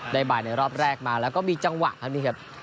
บ่ายในรอบแรกมาแล้วก็มีจังหวะครับนี่ครับ